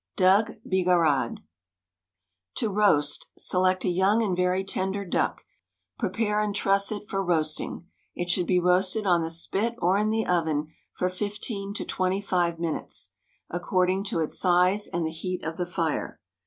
Duck Bigarade To Roast: Select a young and very tender duck, pre pare and truss it for roasting. It should be roasted on the spit or in the oven for fifteen to twenty five minutes, according to its size and the heat of the fire.